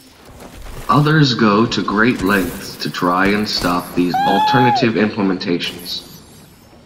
Others go to great lengths to try and stop these alternative implementations.